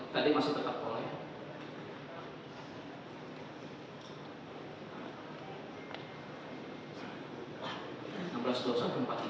tadi masih tetap boleh